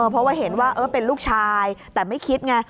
เพราะว่าเห็นว่าเป็นลูกชายแต่ไม่คิดไง